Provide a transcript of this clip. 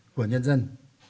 của nhân dân